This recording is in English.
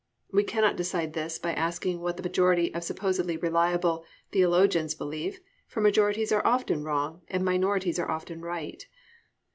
We cannot decide this by asking what the majority of supposedly reliable theologians believe, for majorities are often wrong and minorities are often right.